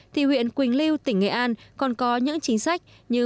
thì huyện quỳnh lưu tỉnh nghệ an còn có những chính sách như